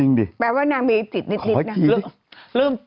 แม่ว่านางมีจิตนิด